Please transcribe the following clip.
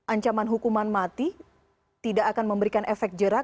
ancaman hukuman mati tidak akan memberikan efek jerah